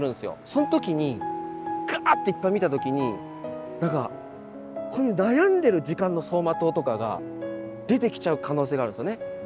そん時にがあっていっぱい見た時に何か悩んでる時間の走馬灯とかが出てきちゃう可能性があるんですよね。